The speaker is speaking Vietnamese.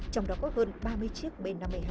trong đó có hơn ba mươi chiếc b năm mươi hai